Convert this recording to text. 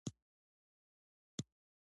افغانستان په اقلیم غني دی.